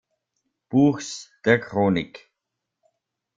Buchs der Chronik.